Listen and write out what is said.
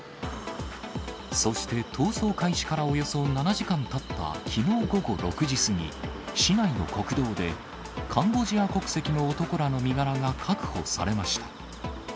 そして逃走開始からおよそ７時間たった、きのう午後６時過ぎ、市内の国道で、カンボジア国籍の男らの身柄が確保されました。